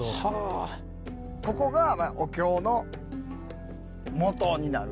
ここがお経のモトになる。